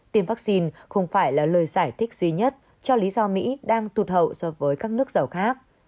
tiêm vaccine không phải là lời giải thích duy nhất cho lý do mỹ đang tụt hậu so với các nước giàu khác